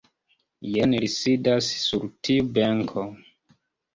Jen li sidas sur tiu benko.